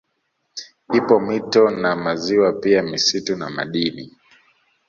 Ipo mito na maziwa pia misitu na madini